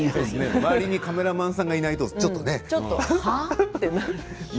周りにカメラマンさんがいないと、ちょっとね。